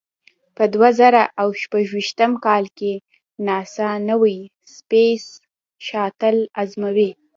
په دوه زره او شپږ ویشتم کال کې ناسا نوې سپېس شاتل ازموي.